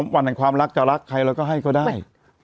วันแห่งความรักจะรักใครเราก็ให้ก็ได้